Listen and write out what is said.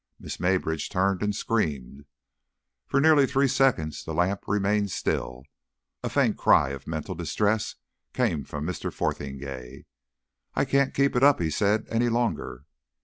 Miss Maybridge turned and screamed. For nearly three seconds the lamp remained still. A faint cry of mental distress came from Mr. Fotheringay. "I can't keep it up," he said, "any longer."